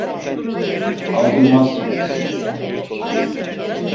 Aldırmazsınız.